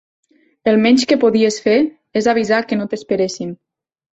El menys que podies fer és avisar que no t'esperéssim.